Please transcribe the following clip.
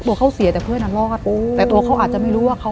โอ๊ยน่าจะมาด้วยกัน